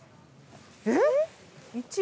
えっ！？